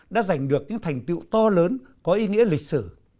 đã giành được những thành tựu to lớn có ý nghĩa lịch sử